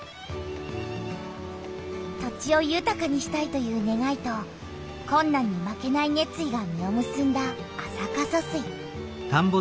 土地をゆたかにしたいというねがいとこんなんに負けないねつ意が実をむすんだ安積疏水。